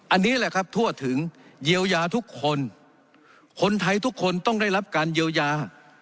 อันนี้แหละครับทั่วถึงเยียวยาทุกคนคนไทยทุกคนต้องได้รับการเยียวยา